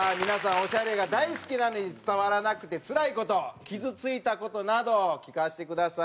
オシャレが大好きなのに伝わらなくてつらい事傷ついた事など聞かせてください。